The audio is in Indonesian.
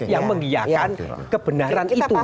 yang mengiakkan kebenaran itu